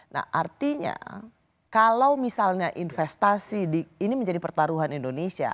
nah artinya kalau misalnya investasi ini menjadi pertaruhan indonesia